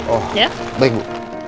oh baik bu